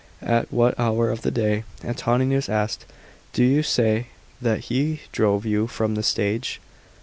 "At what hour of the day," Antoninus asktd, "do you say that he drove you from the stage